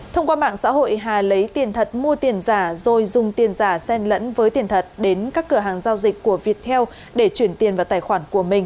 thông qua mạng xã hội hà lấy tiền thật mua tiền giả rồi dùng tiền giả sen lẫn với tiền thật đến các cửa hàng giao dịch của viettel để chuyển tiền vào tài khoản của mình